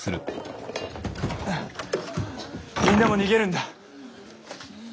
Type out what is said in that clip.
みんなも逃げるんだ。